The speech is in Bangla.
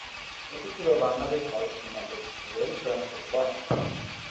এটি ছিল বাংলাদেশ-ভারত সীমান্তের একটি রেল ট্রানজিট পয়েন্ট।